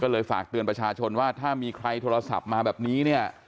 ก็เลยฝากเตือนประชาชนว่าถ้ามีใครโทรศัพท์มาแบบนี้เนี่ย